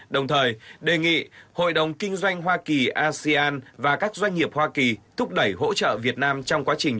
đồng thời đề nghị hội đồng kinh doanh hoa kỳ asean và các doanh nghiệp hoa kỳ thúc đẩy hỗ trợ việt nam trong quá trình